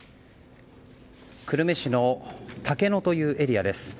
久留米市の竹野というエリアです。